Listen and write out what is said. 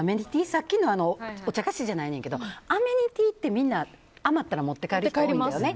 さっきのお茶菓子じゃないねんけど、アメニティーってみんな余ったら持って帰る人多いよね。